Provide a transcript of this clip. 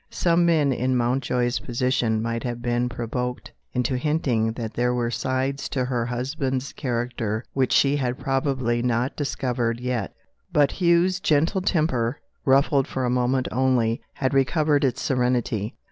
Some men, in Mountjoy's position, might have been provoked into hinting that there were sides to her husband's character which she had probably not discovered yet. But Hugh's gentle temper ruffled for a moment only had recovered its serenity.